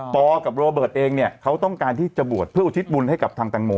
กับโรเบิร์ตเองเนี่ยเขาต้องการที่จะบวชเพื่ออุทิศบุญให้กับทางแตงโม